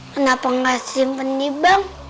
kenapa nggak simpen di bank